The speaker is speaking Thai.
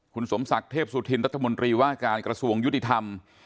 คุณสมศักดิ์เทพสุธินรัฐมนตรีว่าการกระทรวงยุติธรรม